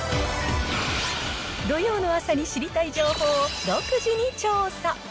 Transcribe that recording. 土曜の朝に知りたい情報を独自に調査。